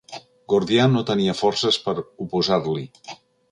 Gordià no tenia forces per oposar-li.